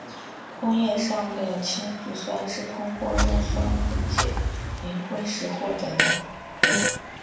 工业上的氢氟酸是通过用酸分解磷灰石获得的。